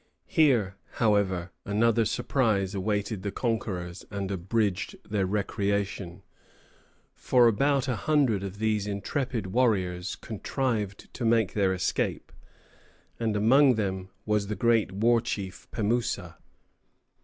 Here, however, another surprise awaited the conquerors and abridged their recreation, for about a hundred of these intrepid warriors contrived to make their escape, and among them was the great war chief Pemoussa.